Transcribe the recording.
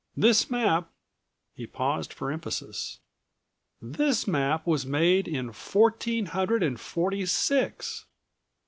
This map," he paused for emphasis, "this map was made in fourteen hundred and forty six."